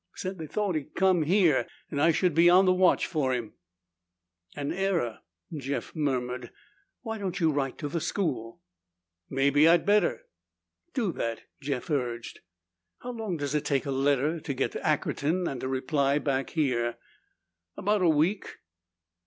Said they thought he'd come here and I should be on the watch for him." "An error," Jeff murmured. "Why don't you write to the school?" "Maybe I'd better." "Do that," Jeff urged. "How long does it take a letter to get to Ackerton and a reply back here?" "About a week."